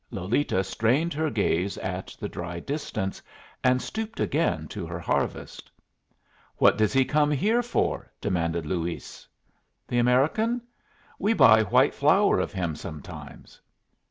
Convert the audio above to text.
Lolita strained her gaze at the dry distance, and stooped again to her harvest. "What does he come here for?" demanded Luis. "The American? We buy white flour of him sometimes."